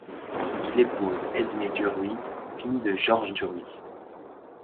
Il épouse Edmée Duruy, fille de Georges Duruy.